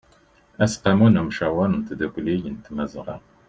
aseqqamu n ymcawer n tdukli n tmazɣa